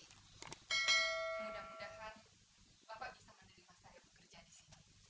mudah mudahan bapak bisa menghentikan saya dari kerjaan ini